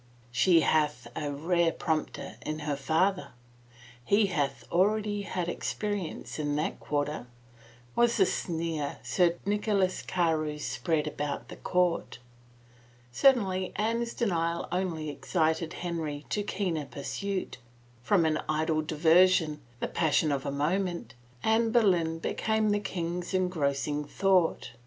" She hath a rare prompter in her father — he hath already had experience in that quarter," was the sneer Sir Nicholas Carewe spread about the court. Certainly Anne's denial only excited Henry to keener pursuit. From an idle diversion, the passion of a mo ment, Anne Boleyn became the king's engrossing thought.